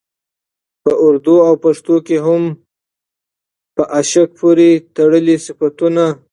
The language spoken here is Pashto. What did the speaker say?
په اردو او پښتو کې هم په عاشق پورې تړلي صفتونه